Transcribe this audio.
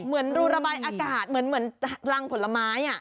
เหมือนรูระบายอากาศเหมือนรังผลไม้